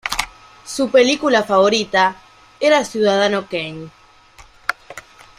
Su película favorita era "Ciudadano Kane".